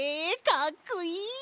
かっこいい！